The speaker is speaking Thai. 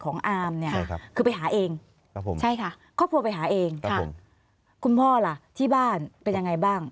คุณพ่อล่ะที่บ้านเป็นยังไงบ้าง